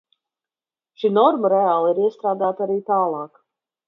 Šī norma reāli ir iestrādāta arī tālāk.